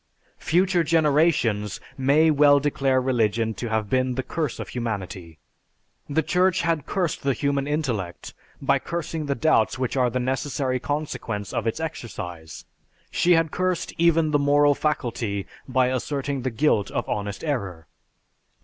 Future generations may well declare religion to have been the curse of humanity. The Church had cursed the human intellect by cursing the doubts which are the necessary consequence of its exercise. She had cursed even the moral faculty by asserting the guilt of honest error.